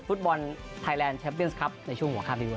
ฟุตบอลไทยแลนด์แชมป์เบียนส์ครับในช่วงหัวคราบดีกว่า